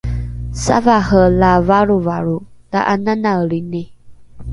savare la valrovalro dha’ananaelini